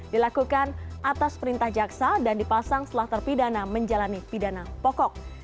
dilakukan atas perintah jaksa dan dipasang setelah terpidana menjalani pidana pokok